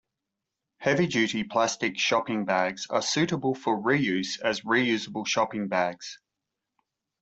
Heavy-duty plastic shopping bags are suitable for reuse as reusable shopping bags.